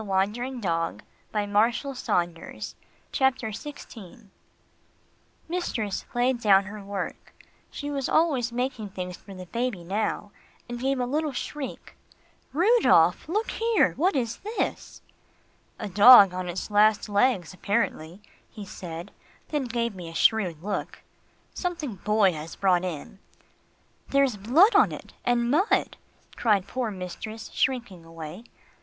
CHAPTER XVI TO LOVE OR NOT TO LOVE THE COUNTRY Mistress laid down her work she was always making things for the baby now and gave a little shriek "Rudolph, look here, what is this?" "A dog on its last legs apparently," he said, then he gave me a shrewd look. "Something Boy has brought in." "There's blood on it and mud," cried poor mistress, shrinking away.